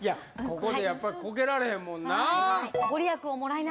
ここでやっぱコケられへんもんない